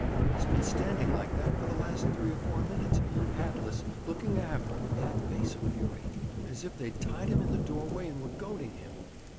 'He's been standing like that for the last three or four minutes, hatless, looking aft, with that face of fury, as if they'd tied him in the doorway and were goading him.'